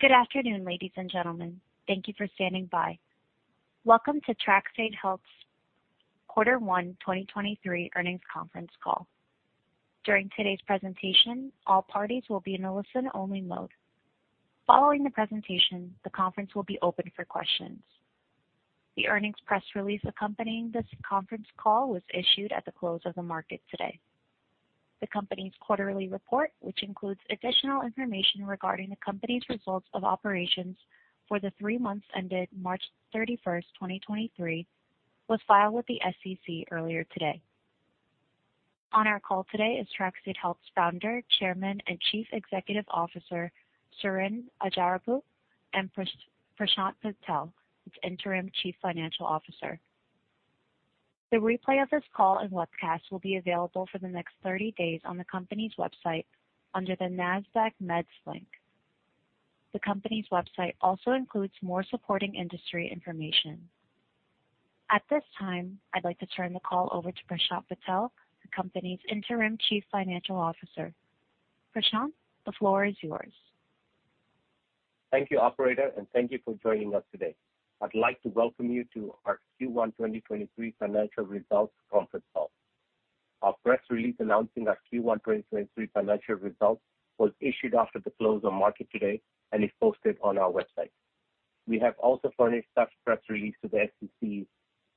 Good afternoon, ladies and gentlemen. Thank you for standing by. Welcome to TRxADE Health's quarter one 2023 earnings conference call. During today's presentation, all parties will be in a listen-only mode. Following the presentation, the conference will be open for questions. The earnings press release accompanying this conference call was issued at the close of the market today. The company's quarterly report, which includes additional information regarding the company's results of operations for the three months ended March 31st, 2023, was filed with the SEC earlier today. On our call today is TRxADE Health's Founder, Chairman, and Chief Executive Officer, Suren Ajjarapu, and Prashant Patel, its Interim Chief Financial Officer. The replay of this call and webcast will be available for the next 30 days on the company's website under the NASDAQ: MEDS link. The company's website also includes more supporting industry information. At this time, I'd like to turn the call over to Prashant Patel, the company's Interim Chief Financial Officer. Prashant, the floor is yours. Thank you, operator. Thank you for joining us today. I'd like to welcome you to our Q1 2023 financial results conference call. Our press release announcing our Q1 2023 financial results was issued after the close of market today and is posted on our website. We have also furnished that press release to the SEC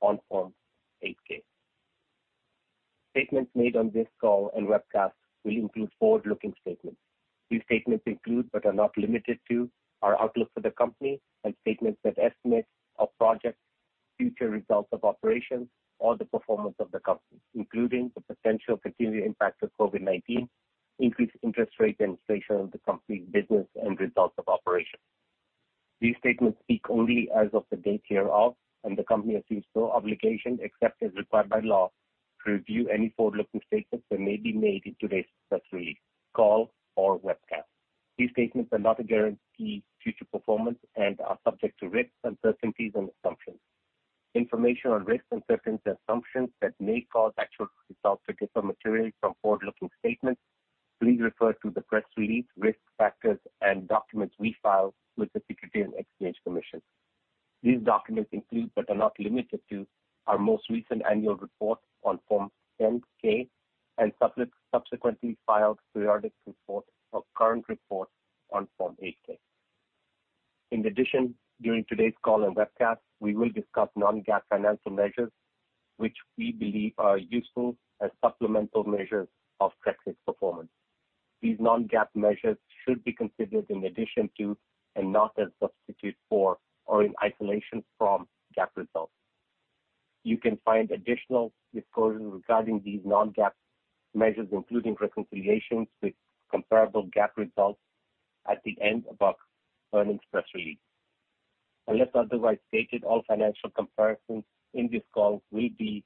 on Form 8-K. Statements made on this call and webcast will include forward-looking statements. These statements include, but are not limited to, our outlook for the company and statements that estimate or project future results of operations or the performance of the company, including the potential continuing impact of COVID-19, increased interest rates, and inflation of the company's business and results of operations. These statements speak only as of the date hereof. The company assumes no obligation, except as required by law, to review any forward-looking statements that may be made in today's press release, call, or webcast. These statements do not guarantee future performance and are subject to risks, uncertainties, and assumptions. Information on risks, uncertainties, and assumptions that may cause actual results to differ materially from forward-looking statements, please refer to the press release, risk factors, and documents we file with the Securities and Exchange Commission. These documents include, but are not limited to, our most recent annual report on Form 10-K and subsequently filed periodic reports or current reports on Form 8-K. In addition, during today's call and webcast, we will discuss non-GAAP financial measures which we believe are useful as supplemental measures of TRxADE's performance. These non-GAAP measures should be considered in addition to and not as substitute for or in isolation from GAAP results. You can find additional disclosures regarding these non-GAAP measures, including reconciliations with comparable GAAP results, at the end of our earnings press release. Unless otherwise stated, all financial comparisons in this call will be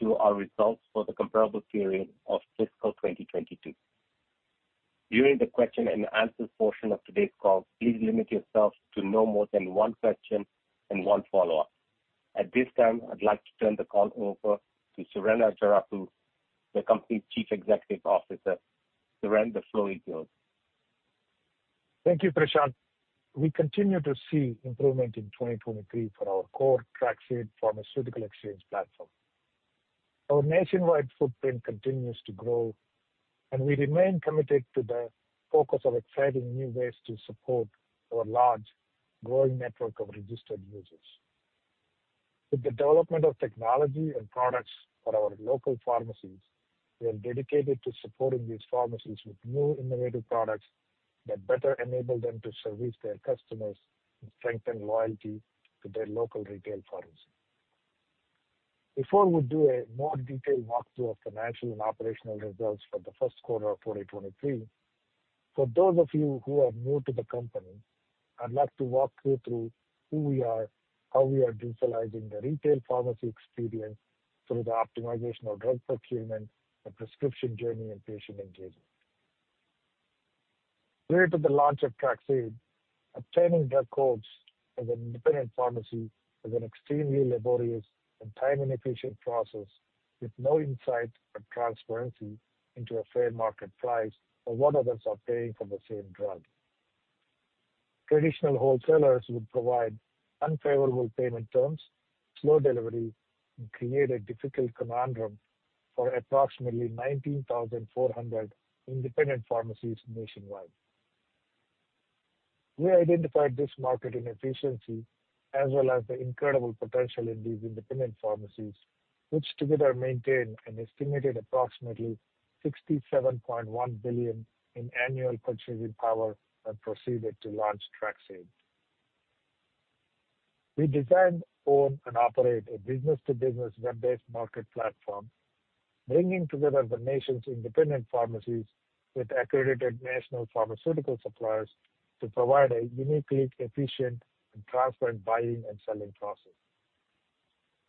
to our results for the comparable period of fiscal 2022. During the question and answer portion of today's call, please limit yourself to no more than one question and one follow-up. At this time, I'd like to turn the call over to Suren Ajjarapu, the company's Chief Executive Officer. Suren, the floor is yours. Thank you, Prashant. We continue to see improvement in 2023 for our core TRxADE pharmaceutical exchange platform. Our nationwide footprint continues to grow, we remain committed to the focus of exciting new ways to support our large, growing network of registered users. With the development of technology and products for our local pharmacies, we are dedicated to supporting these pharmacies with new innovative products that better enable them to service their customers and strengthen loyalty to their local retail pharmacy. Before we do a more detailed walkthrough of financial and operational results for the first quarter of 2023, for those of you who are new to the company, I'd like to walk you through who we are, how we are digitalizing the retail pharmacy experience through the optimization of drug procurement, the prescription journey, and patient engagement. Prior to the launch of TRxADE, obtaining drug codes as an independent pharmacy was an extremely laborious and time-inefficient process with no insight or transparency into a fair market price or what others are paying for the same drug. Traditional wholesalers would provide unfavorable payment terms, slow delivery, and create a difficult conundrum for approximately 19,400 independent pharmacies nationwide. We identified this market inefficiency as well as the incredible potential in these independent pharmacies, which together maintain an estimated approximately $67.1 billion in annual purchasing power and proceeded to launch TRxADE. We design, own, and operate a B2B web-based market platform, bringing together the nation's independent pharmacies with accredited national pharmaceutical suppliers to provide a uniquely efficient and transparent buying and selling process.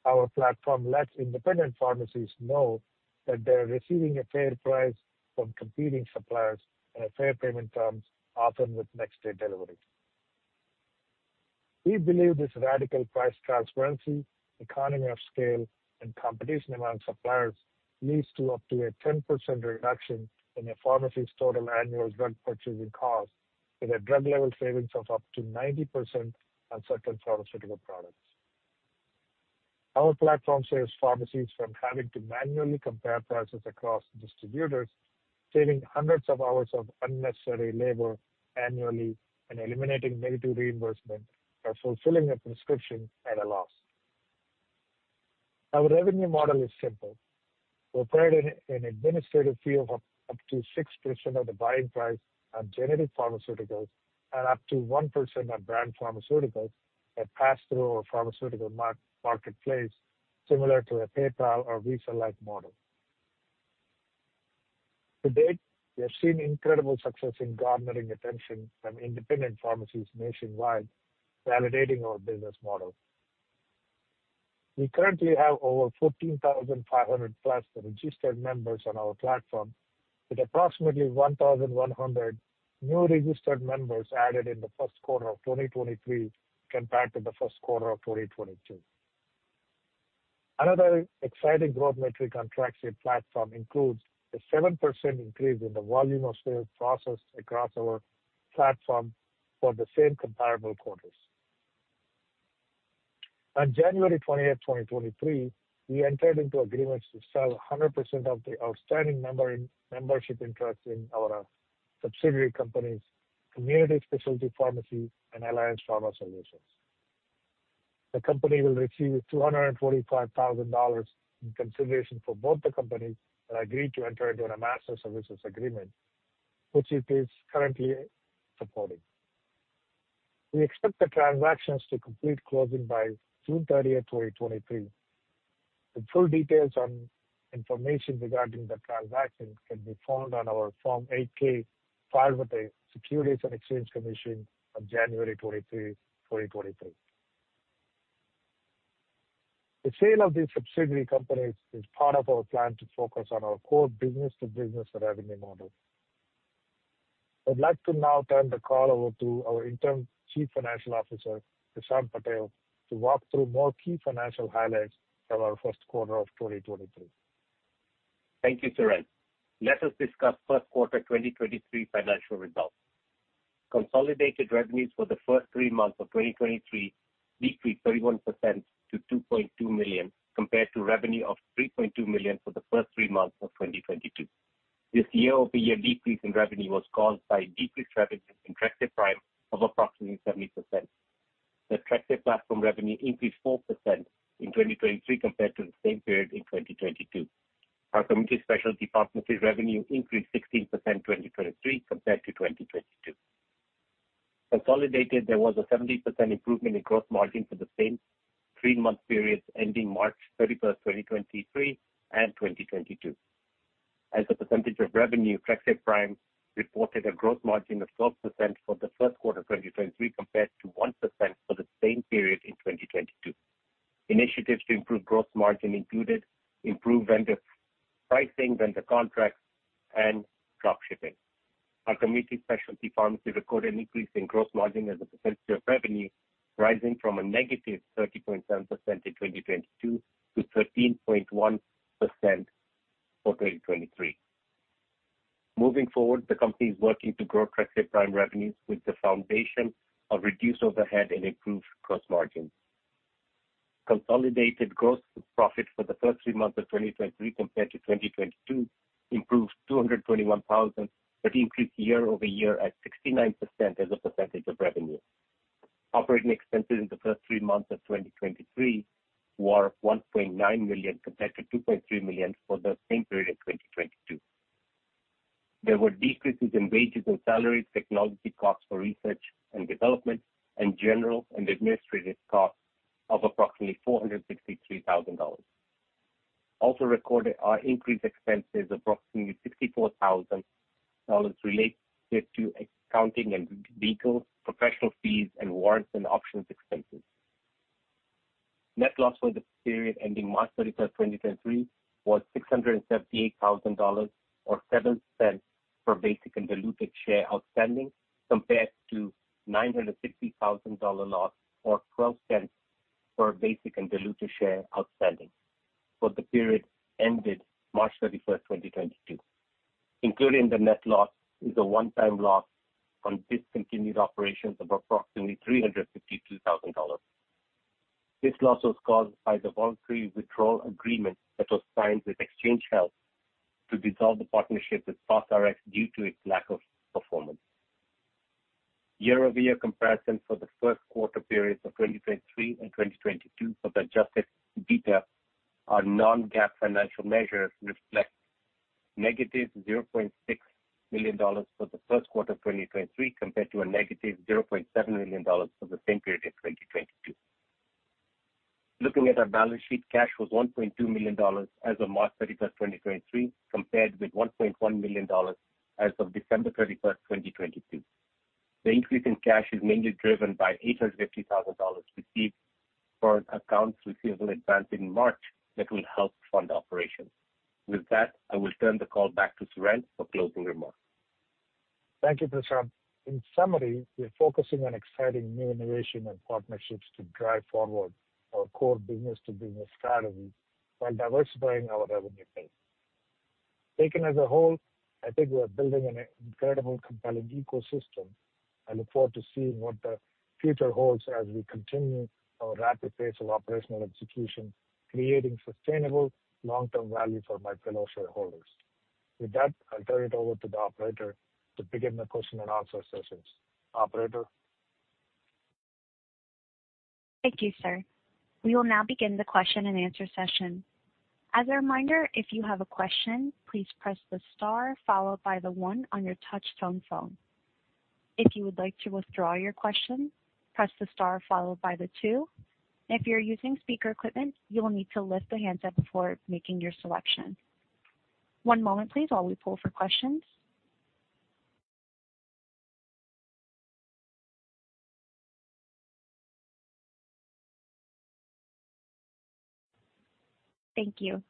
Our platform lets independent pharmacies know that they're receiving a fair price from competing suppliers and fair payment terms, often with next-day delivery. We believe this radical price transparency, economy of scale, and competition among suppliers leads to up to a 10% reduction in a pharmacy's total annual drug purchasing cost, with a drug-level savings of up to 90% on certain pharmaceutical products. Our platform saves pharmacies from having to manually compare prices across distributors, saving hundreds of hours of unnecessary labor annually and eliminating negative reimbursement or fulfilling a prescription at a loss. Our revenue model is simple. We provide an administrative fee of up to 6% of the buying price on generic pharmaceuticals and up to 1% on brand pharmaceuticals that pass through our pharmaceutical marketplace, similar to a PayPal or Visa-like model. To date, we have seen incredible success in garnering attention from independent pharmacies nationwide, validating our business model. We currently have over 14,500+ registered members on our platform, with approximately 1,100 new registered members added in the first quarter of 2023 compared to the first quarter of 2022. Another exciting growth metric on TRxADE platform includes a 7% increase in the volume of sales processed across our platform for the same comparable quarters. On January 20th, 2023, we entered into agreements to sell 100% of the outstanding member-membership interest in our subsidiary companies, Community Specialty Pharmacy and Alliance Pharma Solutions. The company will receive $245,000 in consideration for both the companies and agreed to enter into a master services agreement, which it is currently supporting. We expect the transactions to complete closing by June 30th, 2023. The full details on information regarding the transaction can be found on our Form 8-K filed with the Securities and Exchange Commission on January 23, 2023. The sale of these subsidiary companies is part of our plan to focus on our core B2B revenue model. I'd like to now turn the call over to our interim Chief Financial Officer, Prashant Patel, to walk through more key financial highlights of our first quarter of 2023. Thank you, Suren. Let us discuss first quarter 2023 financial results. Consolidated revenues for the first three months of 2023 decreased 31% to $2.2 million, compared to revenue of $3.2 million for the first three months of 2022. This year-over-year decrease in revenue was caused by a decreased revenue in TRxADE Prime of approximately 70%. The TRxADE platform revenue increased 4% in 2023 compared to the same period in 2022. Our Community Specialty Pharmacy revenue increased 16% in 2023 compared to 2022. Consolidated, there was a 70% improvement in gross margin for the same three-month periods ending March 31st, 2023 and 2022. As a percentage of revenue, TRxADE Prime reported a gross margin of 12% for the first quarter of 2023, compared to 1% for the same period in 2022. Initiatives to improve gross margin included improved vendor pricing, vendor contracts, and drop shipping. Our Community Specialty Pharmacy recorded an increase in gross margin as a percentage of revenue, rising from a -30.7% in 2022 to 13.1% for 2023. Moving forward, the company is working to grow TRxADE Prime revenues with the foundation of reduced overhead and improved gross margins. Consolidated gross profit for the first three months of 2023 compared to 2022 improved $221,000, but increased year-over-year at 69% as a percentage of revenue. Operating expenses in the first three months of 2023 were $1.9 million compared to $2.3 million for the same period in 2022. There were decreases in wages and salaries, technology costs for research and development, and general and administrative costs of approximately $463,000. Also recorded are increased expenses of approximately $64,000 related to accounting and legal, professional fees, and warrants and options expenses. Net loss for the period ending March 31, 2023 was $678,000, or $0.07 per basic and diluted share outstanding, compared to $960,000 loss or $0.12 per basic and diluted share outstanding for the period ended March 31, 2022. Included in the net loss is a one-time loss on discontinued operations of approximately $352,000. This loss was caused by the voluntary withdrawal agreement that was signed with Exchange Health to dissolve the partnership with SOSRx due to its lack of performance. Year-over-year comparison for the first quarter periods of 2023 and 2022 for the Adjusted EBITDA, our non-GAAP financial measures reflect -$0.6 million for the first quarter of 2023 compared to -$0.7 million for the same period in 2022. Looking at our balance sheet, cash was $1.2 million as of March 31st, 2023, compared with $1.1 million as of December 31st, 2022. The increase in cash is mainly driven by $850,000 received for an accounts receivable advance in March that will help fund operations. With that, I will turn the call back to Suren for closing remarks. Thank you, Prashant. In summary, we're focusing on exciting new innovation and partnerships to drive forward our core business-to-business strategy while diversifying our revenue base. Taken as a whole, I think we're building an incredible compelling ecosystem. I look forward to seeing what the future holds as we continue our rapid pace of operational execution, creating sustainable long-term value for my fellow shareholders. With that, I'll turn it over to the operator to begin the question and answer sessions. Operator? Thank you, sir. We will now begin the question-and-answer session. As a reminder, if you have a question, please press the star followed by the one on your touch-tone phone. If you would like to withdraw your question, press the star followed by the two. If you're using speaker equipment, you will need to lift the handset before making your selection. One moment please, while we pull for questions. Thank you.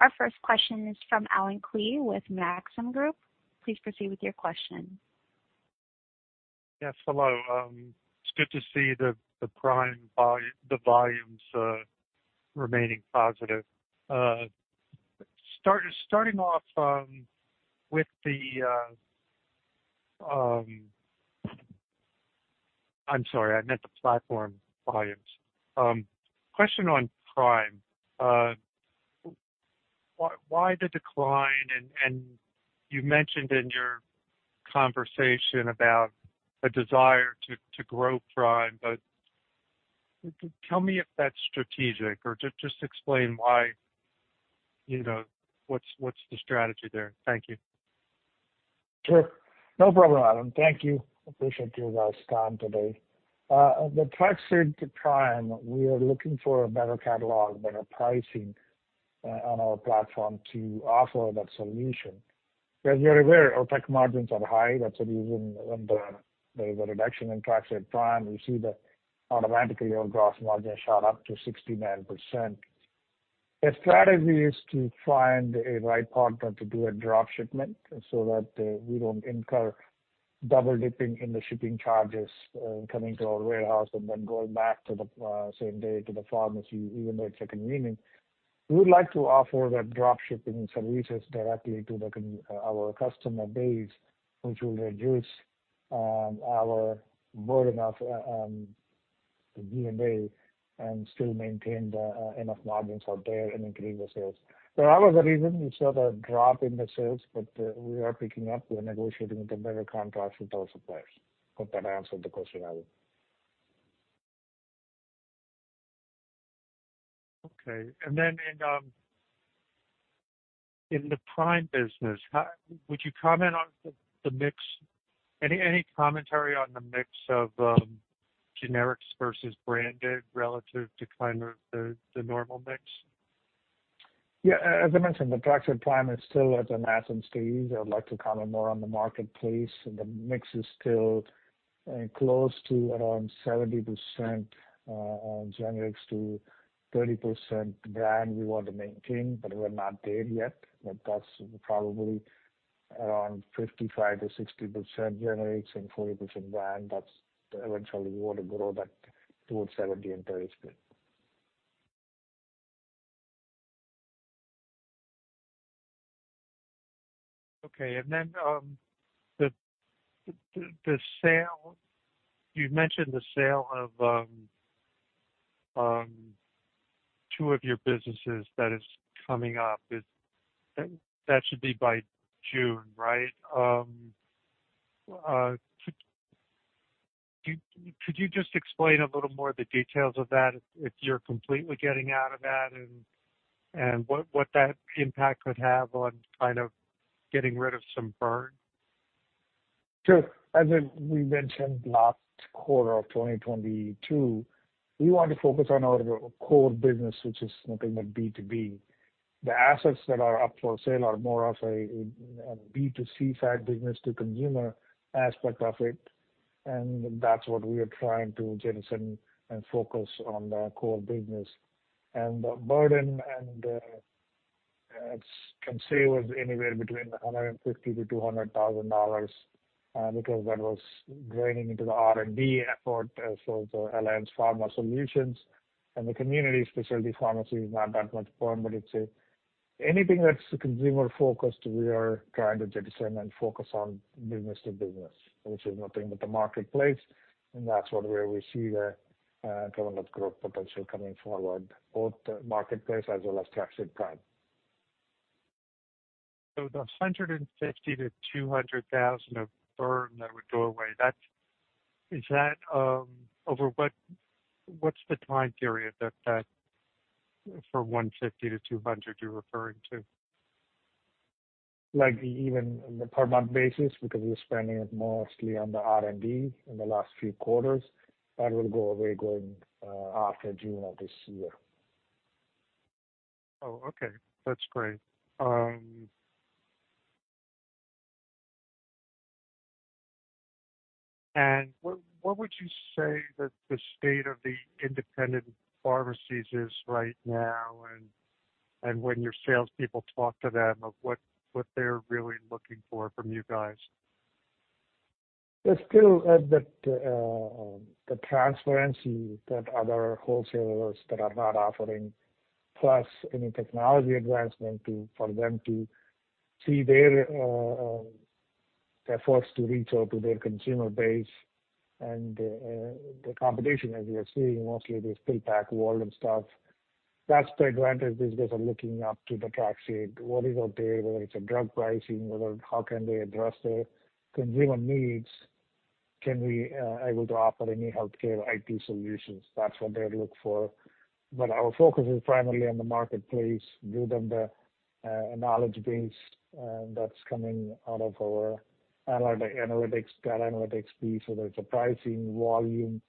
Our first question is from Allen Klee with Maxim Group. Please proceed with your question. Yes, hello. It's good to see the volumes remaining positive. Starting off. I'm sorry, I meant the platform volumes. Question on Prime. Why the decline? You mentioned in your conversation about a desire to grow Prime, but tell me if that's strategic or just explain why, you know, what's the strategy there? Thank you. Sure. No problem, Allen. Thank you. Appreciate your guys' time today. The price in Prime, we are looking for a better catalog, better pricing on our platform to offer that solution. As you're aware, our tech margins are high. That's the reason when the reduction in TRxADE Prime, you see that automatically our gross margin shot up to 69%. The strategy is to find a right partner to do a drop shipment so that we don't incur double-dipping in the shipping charges, coming to our warehouse and then going back to the same day to the pharmacy, even though it's a convenient. We would like to offer that drop shipping services directly to our customer base, which will reduce our burden of the G&A and still maintain the enough margins out there and increase the sales. That was the reason we saw the drop in the sales. We are picking up. We're negotiating with the better contracts with our suppliers. Hope that answered the question, Allen. Okay. Then in the Prime business, would you comment on the mix? Any commentary on the mix of generics versus branded relative to kind of the normal mix? Yeah. As I mentioned, TRxADE Prime is still at a nascent stage. I would like to comment more on the marketplace. The mix is still close to around 70% generics to 30% brand we want to maintain. We're not there yet. That's probably around 55%-60% generics and 40% brand. That's eventually we want to grow that towards 70/30 split. Okay. Then, the sale. You've mentioned the sale of two of your businesses that is coming up. That should be by June, right? Could you just explain a little more the details of that, if you're completely getting out of that and what that impact could have on kind of getting rid of some burn? Sure. As we mentioned last quarter of 2022, we want to focus on our core business, which is nothing but B2B. The assets that are up for sale are more of a B2C side business to consumer aspect of it, and that's what we are trying to jettison and focus on the core business. The burden can say it was anywhere between $150,000 to $200,000, because that was draining into the R&D effort. The Alliance Pharma Solutions and the Community Specialty Pharmacy is not that much burn, but it's anything that's consumer-focused, we are trying to jettison and focus on business to business, which is nothing but the Marketplace. That's what where we see the tremendous growth potential coming forward, both the Marketplace as well as TRxADE Prime. The $150,000 to $200,000 of burn that would go away, is that, What's the time period that for $150,00 to $200,000 you're referring to? Like even on the per month basis, because we were spending it mostly on the R&D in the last few quarters, that will go away going after June of this year. Oh, okay. That's great. What would you say that the state of the independent pharmacies is right now and when your salespeople talk to them of what they're really looking for from you guys? There's still a bit the transparency that other wholesalers that are not offering, plus any technology advancement for them to see their efforts to reach out to their consumer base and the competition, as we are seeing, mostly they still pack volume stuff. That's the advantage these guys are looking up to the TRxADE. What is out there, whether it's a drug pricing, whether how can they address their consumer needs, can we able to offer any healthcare IT solutions? That's what they look for. Our focus is primarily on the marketplace, give them the knowledge base that's coming out of our analytics, data analytics piece, whether it's a pricing, volume.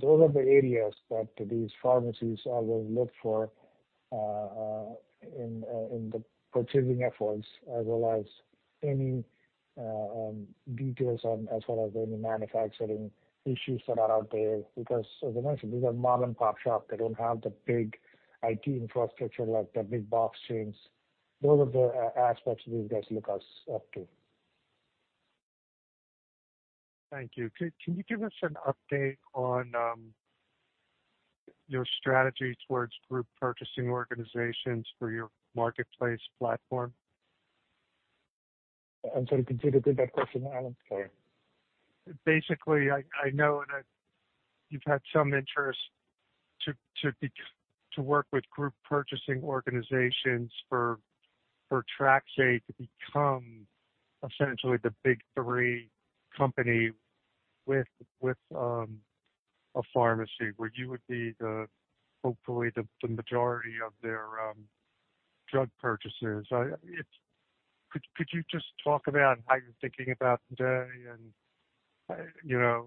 Those are the areas that these pharmacies always look for in the purchasing efforts, as well as any details on as well as any manufacturing issues that are out there. Because as I mentioned, these are mom-and-pop shops. They don't have the big IT infrastructure like the big box chains. Those are the aspects these guys look us up to. Thank you. Can you give us an update on your strategy towards group purchasing organizations for your marketplace platform? I'm sorry, can you repeat that question, Allen? Sorry. Basically, I know that you've had some interest to work with group purchasing organizations for TRxADE to become essentially the big three company with a pharmacy where you would be the, hopefully the majority of their drug purchasers. Could you just talk about how you're thinking about today and, you know?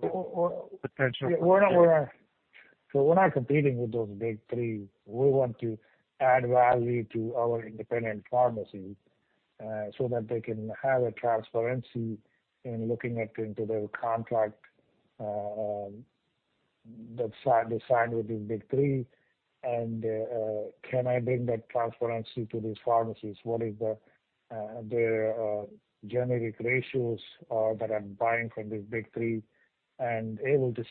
We're not competing with those big three. We want to add value to our independent pharmacies, so that they can have a transparency in looking at into their contract, that's signed, they signed with these big three. Can I bring that transparency to these pharmacies? What is the their generic ratios that I'm buying from these big three, and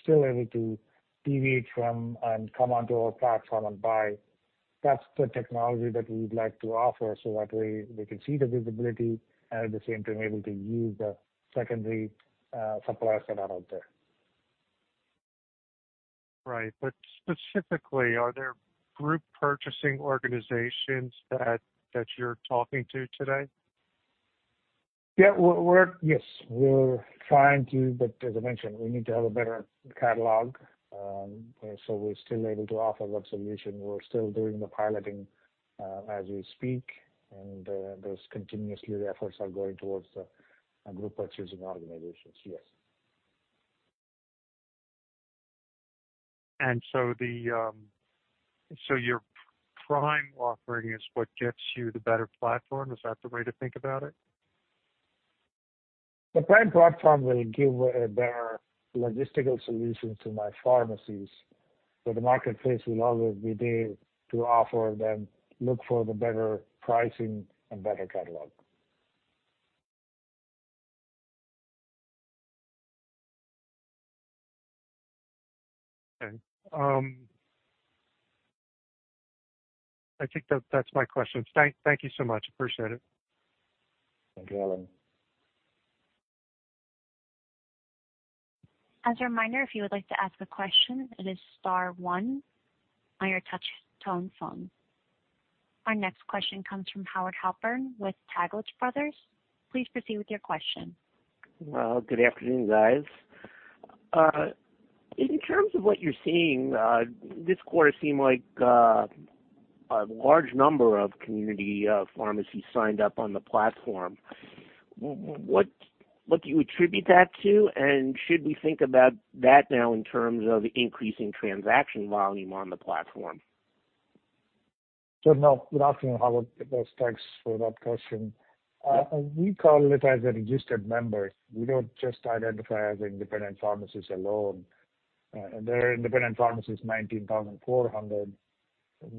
still able to deviate from and come onto our platform and buy. That's the technology that we would like to offer so that way they can see the visibility and at the same time able to use the secondary suppliers that are out there. Right. Specifically, are there group purchasing organizations that you're talking to today? Yeah. Yes, we're trying to, but as I mentioned, we need to have a better catalog, so we're still able to offer that solution. We're still doing the piloting as we speak. Those continuously the efforts are going towards the group purchasing organizations, yes. Your Prime offering is what gets you the better platform. Is that the way to think about it? The Prime platform will give a better logistical solution to my pharmacies, but the marketplace will always be there to offer them look for the better pricing and better catalog. Okay. I think that's my questions. Thank you so much. Appreciate it. Thank you, Allen. As a reminder, if you would like to ask a question, it is star one on your touch tone phone. Our next question comes from Howard Halpern with Taglich Brothers. Please proceed with your question. Well, good afternoon, guys. In terms of what you're seeing, this quarter seemed like a large number of community pharmacies signed up on the platform. What do you attribute that to? Should we think about that now in terms of increasing transaction volume on the platform? Sure. No, good afternoon, Howard. Thanks for that question. We call it as a registered member. We don't just identify as independent pharmacies alone. There are independent pharmacies, 19,400.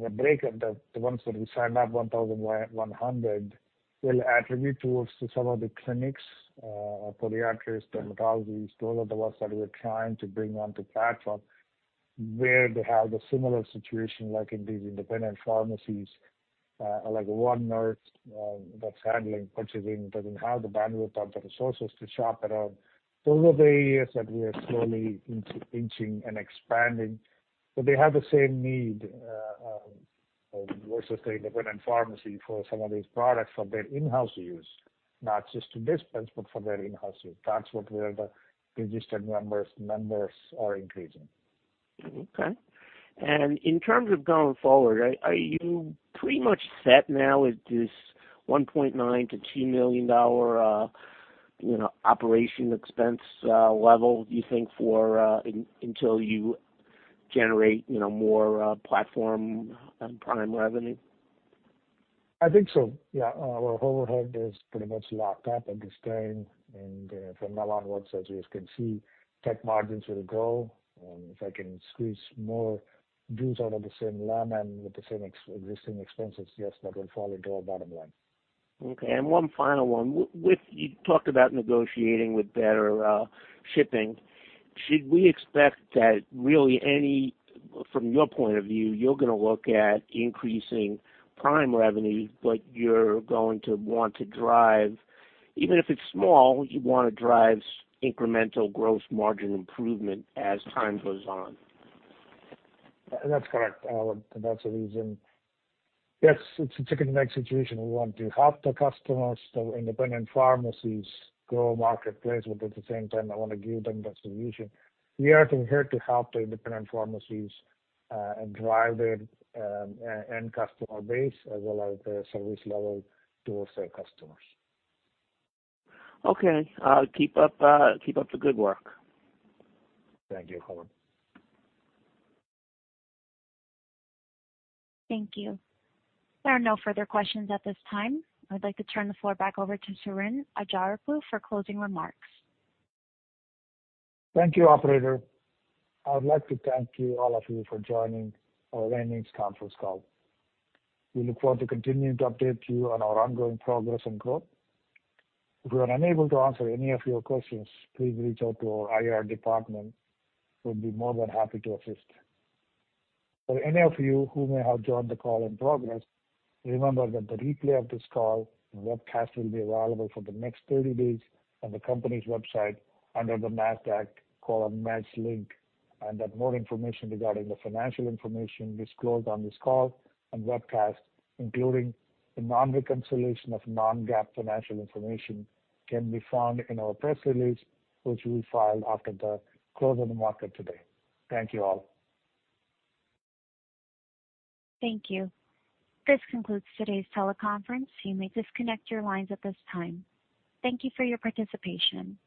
The break of the ones that we signed up, 1,100, will attribute towards to some of the clinics, podiatrists, dermatologists. Those are the ones that we're trying to bring onto platform where they have a similar situation like in these independent pharmacies, like one nurse that's handling purchasing doesn't have the bandwidth or the resources to shop around. Those are the areas that we are slowly inching and expanding, but they have the same need, let's just say independent pharmacy for some of these products for their in-house use, not just to dispense, but for their in-house use. That's what where the registered members are increasing. Okay. In terms of going forward, are you pretty much set now at this $1.9 million-$2 million, you know, operation expense level, do you think, for until you generate, you know, more platform and Prime revenue? I think so, yeah. Our overhead is pretty much locked up at this time. From now on, as you can see, tech margins will grow. If I can squeeze more juice out of the same lemon with the same existing expenses, yes, that will fall into our bottom line. Okay. One final one. With you talked about negotiating with better shipping, should we expect that really any, from your point of view, you're gonna look at increasing prime revenue, but you're going to want to drive, even if it's small, you wanna drive incremental gross margin improvement as time goes on? That's correct, Howard. That's the reason. Yes, it's a chicken and egg situation. We want to help the customers, the independent pharmacies grow marketplace. At the same time, I wanna give them the solution. We are here to help the independent pharmacies drive their end customer base as well as the service level to our customers. Okay. Keep up the good work. Thank you, Howard. Thank you. There are no further questions at this time. I'd like to turn the floor back over to Suren Ajjarapu for closing remarks. Thank you, operator. I would like to thank you, all of you, for joining our earnings conference call. We look forward to continuing to update you on our ongoing progress and growth. If we are unable to answer any of your questions, please reach out to our IR department. We'll be more than happy to assist. For any of you who may have joined the call in progress, remember that the replay of this call and webcast will be available for the next 30 days on the company's website under the NASDAQ: MEDS link, and that more information regarding the financial information disclosed on this call and webcast, including the non-reconciliation of non-GAAP financial information, can be found in our press release, which we filed after the close of the market today. Thank you all. Thank you. This concludes today's teleconference. You may disconnect your lines at this time. Thank you for your participation.